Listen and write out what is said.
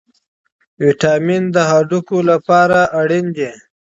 ویټامن ډي د هډوکو لپاره اړین دی.